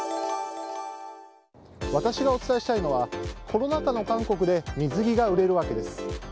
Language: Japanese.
私がお伝えしたいのはコロナ禍の韓国で水着が売れるわけです。